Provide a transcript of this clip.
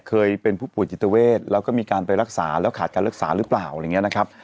เคยเป็นผู้ป่วยจิตเวทแล้วก็มีการไปรักษาแล้วขาดการรักษาหรือเปล่าอะไรอย่างนี้นะครับ